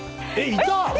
いた！